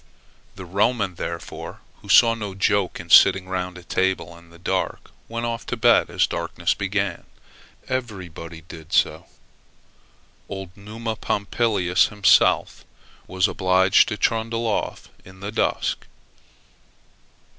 The Roman, therefore, who saw no joke in sitting round a table in the dark, went off to bed as the darkness began. Everybody did so. Old Numa Pompilius himself, was obliged to trundle off in the dusk.